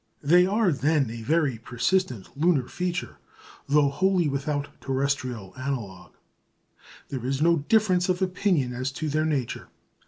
They are, then, a very persistent lunar feature, though wholly without terrestrial analogue. There is no difference of opinion as to their nature.